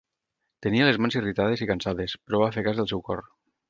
Tenia les mans irritades i cansades, però va fer cas del seu cor.